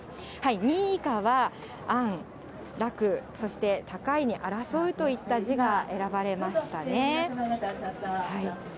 ２位以下は安、楽、そして高いに争うといった字が選ばれましたね。